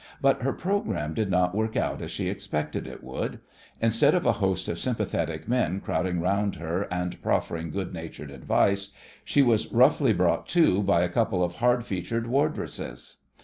But her programme did not work out as she expected it would. Instead of a host of sympathetic men crowding round her and proffering good natured advice, she was roughly brought to by a couple of hard featured wardresses.